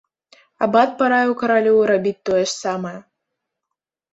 Абат параіў каралю рабіць тое ж самае.